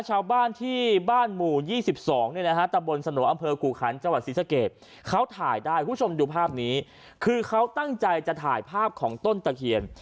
ชาวบ้านที่บ้านหมู่๒๒ตะบลสโหนอำเภอกู่คันจศิษภเกษเขาถ่ายได้คุณผู้ชมดูภาพนี้คือเขาตั้งใจจะถ่ายภาพของต้นตะเคียน